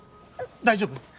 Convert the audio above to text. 大丈夫？